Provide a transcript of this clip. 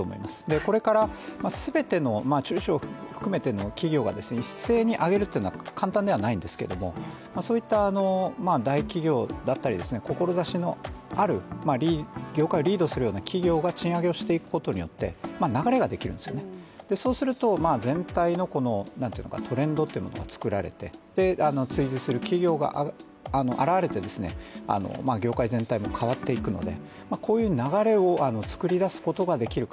これから全ての中小を含めての企業が一斉に上げるというのは簡単ではないんですけどもそういった大企業だったり志のある業界をリードするような企業が、賃上げをしていくことによって流れができるんですよね、そうすると全体のトレンドっていうものが作られて追随する企業が現れて業界全体も変わっていくのでこういう流れを作り出すことができるか。